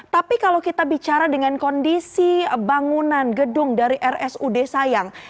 tapi kalau kita bicara dengan kondisi bangunan gedung dari rsud sayang